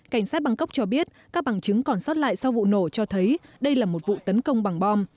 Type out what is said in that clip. cảnh sát bangkok cho biết các bằng chứng còn sót lại sau vụ nổ cho thấy đây là một vụ tấn công bằng bom